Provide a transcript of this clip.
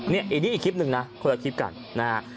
นี่อีกคลิปหนึ่งนะคนละคลิปกันนะฮะ